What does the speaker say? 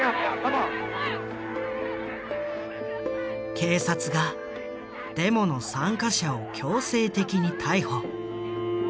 警察がデモの参加者を強制的に逮捕。